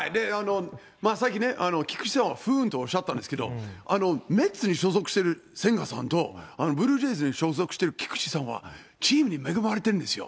さっきね、菊池さんは不運とおっしゃったんですけれども、メッツに所属している千賀さんと、ブルージェイズに所属している菊池さんは、チームに恵まれてるんですよ。